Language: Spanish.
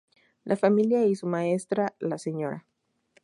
La familia y su maestra, la Sra.